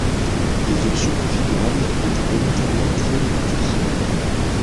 Les options configurables étaient volontairement très limitées.